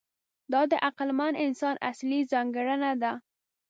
دا د عقلمن انسان اصلي ځانګړنه ده.